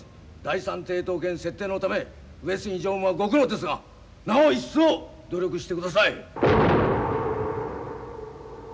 第三抵当権設定のため上杉常務はご苦労ですがなお一層努力してください。